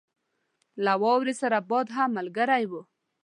له واورې سره باد هم ملګری وو.